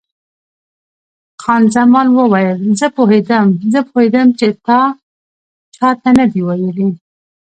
خان زمان وویل: زه پوهېدم، زه پوهېدم چې تا چا ته نه دي ویلي.